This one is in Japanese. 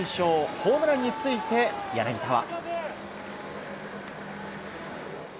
ホームランについて柳田は。